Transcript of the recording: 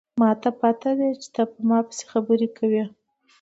ما ته پته ده چې ته په ما پسې خبرې کوې